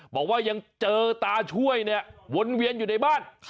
บอกว่ายังเจอตาช่วยเนี่ยวนเวียนอยู่ในบ้าน